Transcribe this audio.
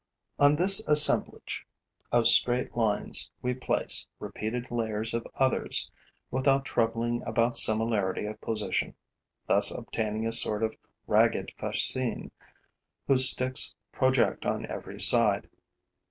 On this assemblage of straight lines we place repeated layers of others, without troubling about similarity of position, thus obtaining a sort of ragged fascine, whose sticks project on every side.